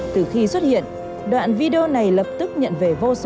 từ khi xuất hiện đoạn video này lập tức nhận về vô gia cư